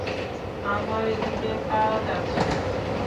আমার এদিকে কাজ আছে।